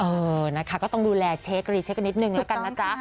เออนะคะก็ต้องดูแลเช็ครีเช็คกันนิดนึงแล้วกันนะจ๊ะ